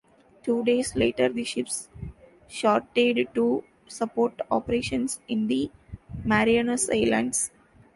Two days later the ships sortied to support operations in the Marianas Islands.